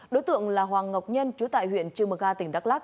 đối tượng là hoàng ngọc nhân chú tại huyện trư mờ ga tỉnh đắk lắc